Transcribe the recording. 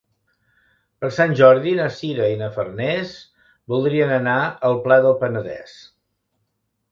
Per Sant Jordi na Sira i na Farners voldrien anar al Pla del Penedès.